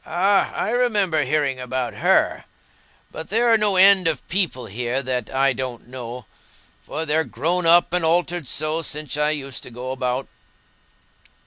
"Ah, I remember hearing about her. But there are no end of people here that I don't know, for they're grown up and altered so since I used to go about."